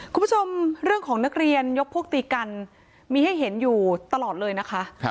คุณผู้ชมเรื่องของนักเรียนยกพวกตีกันมีให้เห็นอยู่ตลอดเลยนะคะ